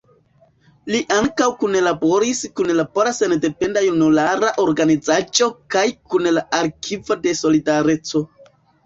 Li ankaŭ kunlaboris kun Pola Sendependa Junulara Organizaĵo kaj kun la Arkivo de Solidareco.